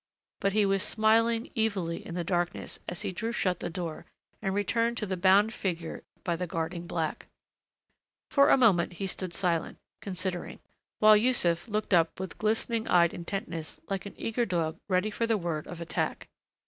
But he was smiling evilly in the darkness as he drew shut the door and returned to the bound figure by the guarding black. For a moment he stood silent, considering, while Yussuf looked up with glistening eyed intentness like an eager dog ready for the word of attack.